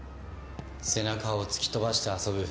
背中を突き飛ばして遊ぶ。